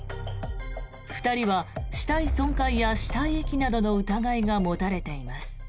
２人は死体損壊や死体遺棄などの疑いが持たれています。